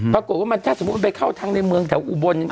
ปรากฏว่ามันถ้าสมมุติมันไปเข้าทางในเมืองแถวอุบล